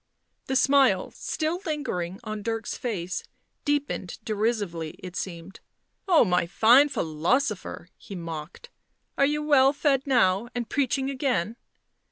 The smile, still lingering on Dirk's face, deepened derisively, it seemed. "Oh, my fine philosopher!" he mocked. " Are you well fed now, and preaching again!"